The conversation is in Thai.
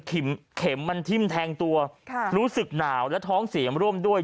เข็มมันทิ้มแทงตัวรู้สึกหนาวและท้องเสียงร่วมด้วย